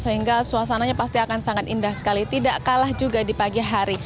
sehingga suasananya pasti akan sangat indah sekali tidak kalah juga di pagi hari